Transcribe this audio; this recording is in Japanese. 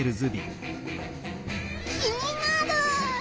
気になる。